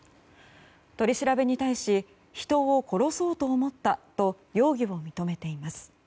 取り調べに対し人を殺そうと思ったと容疑を認めています。